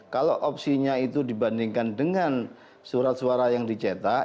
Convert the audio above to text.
kalau opsinya itu dibandingkan dengan surat suara yang dicetak